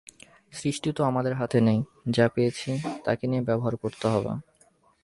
সৃষ্টি তো আমাদের হাতে নেই, যা পেয়েছি তাকে নিয়েই ব্যবহার করতে হবে।